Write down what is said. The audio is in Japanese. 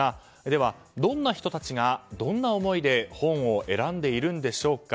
は、どんな人たちがどんな思いで本を選んでいるんでしょうか。